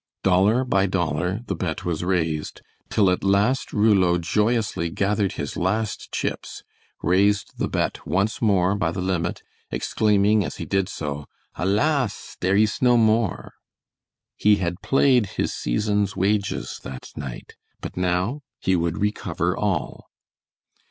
Dollar by dollar the bet was raised till at last Rouleau joyously gathered his last chips, raised the bet once more by the limit, exclaiming, as he did so, "Alas! dere ees no more!" He had played his season's wages that night, but now he would recover all.